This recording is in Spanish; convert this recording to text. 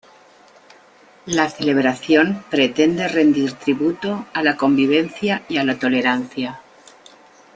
La celebración pretende rendir tributo a la convivencia y a la tolerancia.